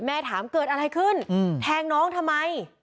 ถามเกิดอะไรขึ้นแทงน้องทำไม